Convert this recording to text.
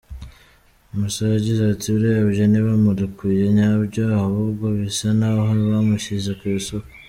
Musa yagize ati “Urebye ntibamurekuye nyabyo ahubwo bisa naho bamushyize ku isoko.